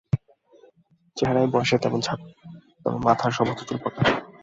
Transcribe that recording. চেহারায় বয়সের তেমন ছাপ নেই, তবে মাথার সমস্ত চুল পাকা।